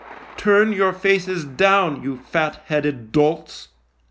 Turn your faces down, you fat headed dolts.